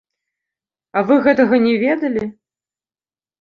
А вы гэтага не ведалі?